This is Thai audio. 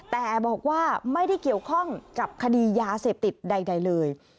แต่บอกว่าไม่ได้เกี่ยวข้องกับคดียาเสพติดใดเลย